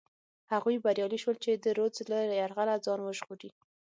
هغوی بریالي شول چې د رودز له یرغله ځان وژغوري.